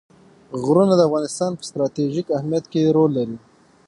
غرونه د افغانستان په ستراتیژیک اهمیت کې رول لري.